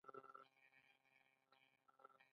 وخت بدلیږي زیاتي امن راروان دي